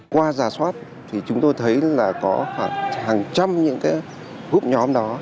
qua giả soát thì chúng tôi thấy là có hàng trăm những cái hút nhóm đó